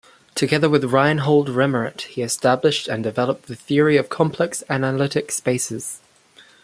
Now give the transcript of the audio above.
Together with Reinhold Remmert he established and developed the theory of complex-analytic spaces.